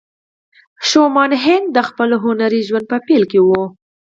شومان هینک د خپل هنري ژوند په پیل کې وه